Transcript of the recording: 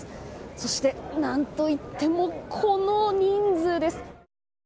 そして、何といってもこの人数です。